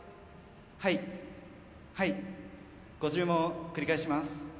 はいはいご注文繰り返します